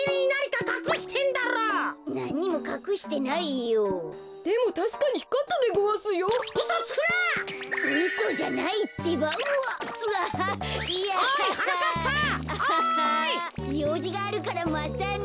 ようじがあるからまたね。